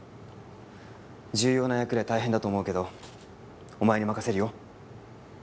重要な役で大変だと思うけどお前に任せるよ。